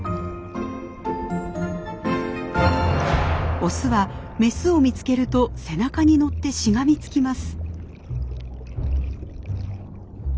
オスはメスを見つけると背中に乗ってしがみつきます。